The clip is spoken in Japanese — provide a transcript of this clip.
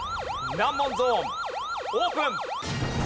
難問ゾーンオープン！